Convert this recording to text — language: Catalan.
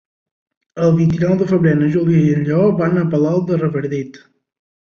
El vint-i-nou de febrer na Júlia i en Lleó van a Palol de Revardit.